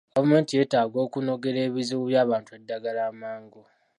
Gavumenti yeetaaga okunogera ebizibu by'abantu eddagala amangu.